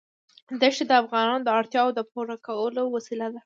دښتې د افغانانو د اړتیاوو د پوره کولو وسیله ده.